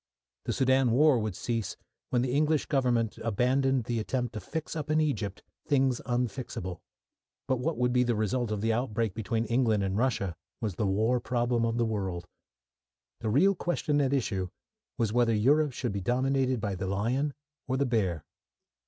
The Soudan war would cease when the English Government abandoned the attempt to fix up in Egypt things unfixable. But what would be the result of the outbreak between England and Russia was the war problem of the world. The real question at issue was whether Europe should be dominated by the lion or the bear.